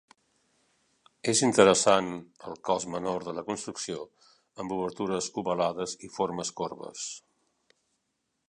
És interessant el cos menor de la construcció amb obertures ovalades i formes corbes.